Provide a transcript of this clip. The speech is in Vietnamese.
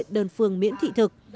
sự khác biệt giữa